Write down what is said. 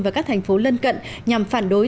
và các thành phố lân cận nhằm phản đối